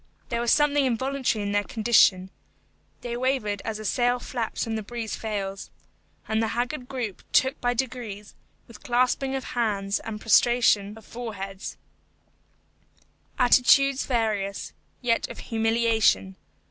There was something involuntary in their condition; they wavered as a sail flaps when the breeze fails. And the haggard group took by degrees, with clasping of hands and prostration of foreheads, attitudes various, yet of humiliation.